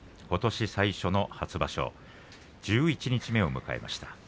ことし最初の初場所十一日目を迎えました。